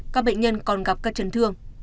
các bệnh nhân còn gặp các chấn thương